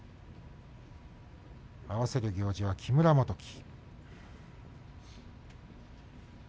合わせる行司は木村元基。